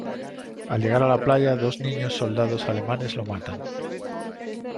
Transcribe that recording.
Al llegar a la playa, dos niños soldados alemanes lo matan.